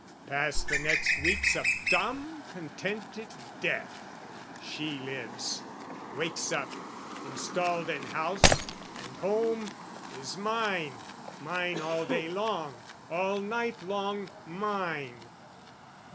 Pass the next weeks of dumb contented death, She lives, wakes up, installed in house and home, Is mine, mine all day long, all night long mine.